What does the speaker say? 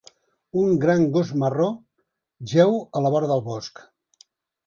Un gran gos marró jeu a la vora del bosc.